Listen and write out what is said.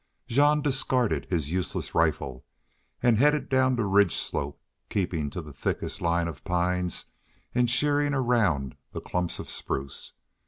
Jean discarded his useless rifle, and headed down the ridge slope, keeping to the thickest line of pines and sheering around the clumps of spruce.